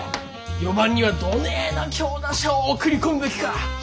４番にはどねえな強打者を送り込むべきか。